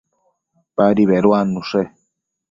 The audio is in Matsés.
Padi beduannushe